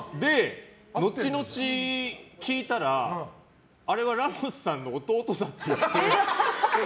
後々、聞いたらあれはラモスさんの弟さんだって。